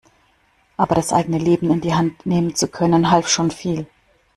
Aber das eigene Leben in die Hand nehmen zu können, half schon viel.